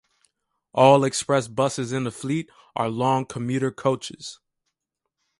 All express buses in the fleet are long commuter coaches.